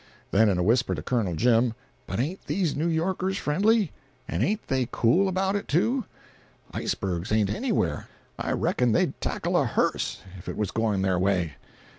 Then in a whisper to Col. Jim: "But ain't these New Yorkers friendly? And ain't they cool about it, too? Icebergs ain't anywhere. I reckon they'd tackle a hearse, if it was going their way."